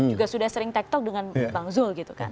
juga sudah sering tektok dengan bang zul gitu kan